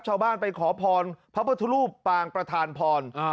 ชาวบ้านไปขอพรพระพุทธรูปปางประธานพร